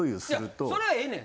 いやそれはええねん。